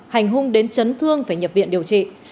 hành hung đến chấn thương phải nhập viện điều trị